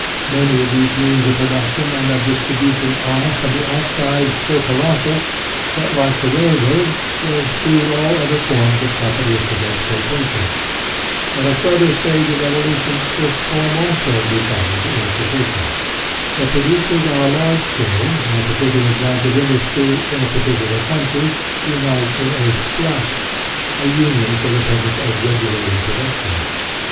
Many of these means of production and of distribution are, from the outset, so colossal, that, like the railroads, they exclude all other forms of capitalistic exploitation. At a further stage of evolution this form also becomes insuffi cient. The producers on a large scale in a I2O SOCIALISM particular branch of industry in a particular country unite in a " Trust," a union for the purpose of regulating production.